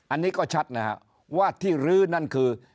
อันนี้ก็ชัดนะครับว่าที่ลื้อนั่นคือ